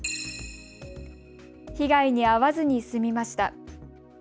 被害に遭わずにすみました。